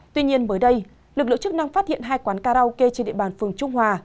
tuy nhiên mới đây lực lượng chức năng phát hiện hai quán karaoke trên địa bàn phường trung hòa